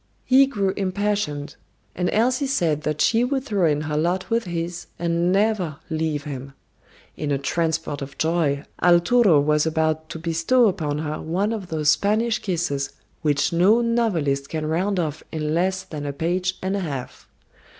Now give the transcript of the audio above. He grew impassioned, and Elsie said that she would throw in her lot with his and never leave him. In a transport of joy, Arturo was about to bestow upon her one of those Spanish kisses which no novelist can round off in less than a page and a half.